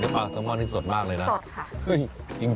ปลาแซลมอนนี่สดมากเลยนะสดค่ะ